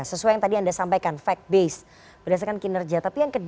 sesuai yang tadi anda sampaikan